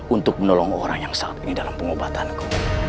untuk menolong orang yang saat ini dalam pengobatanku